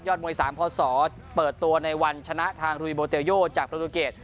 ยอดมวยสามพอสอเปิดตัวในวันชนะทางรุยโบเตยนโยดจากพระโดเกรด